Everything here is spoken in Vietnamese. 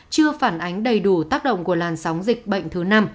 chưa phản ánh đầy đủ tác động của làn sóng dịch bệnh thứ năm